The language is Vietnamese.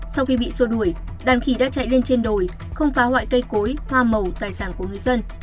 sau khi bị sô đuổi đàn khí đã chạy lên trên đồi không phá hoại cây cối hoa màu tài sản của người dân